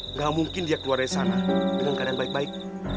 nggak mungkin dia keluar dari sana dengan keadaan baik baik